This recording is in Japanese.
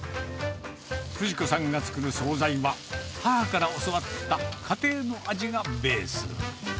富士子さんが作る総菜は、母から教わった家庭の味がベース。